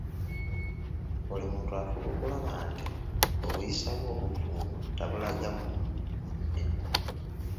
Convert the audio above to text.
Buli muntu afuba okulaba nti obuyisa bwe obuvundu tabulaga mu munne.